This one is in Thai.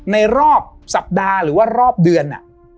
ในรอบสัปดาห์หรือว่ารอบเดือน